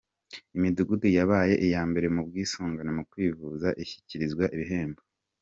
Imidugudu yabaye iya mbere mu bwisungane mu kwivuza ishyikirizwa ibihembo.